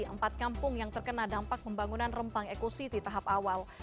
empat kampung yang terkena dampak pembangunan rempang eco city tahap awal